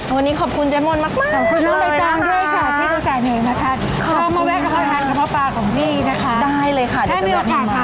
ไปลุยเจมส์มนต์บอกแล้ว